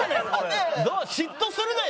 嫉妬するなよ